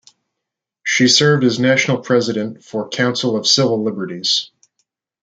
She served as the national President of the Council for Civil Liberties.